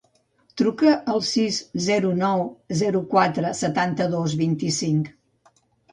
Truca al sis, zero, nou, zero, quatre, setanta-dos, vint-i-cinc.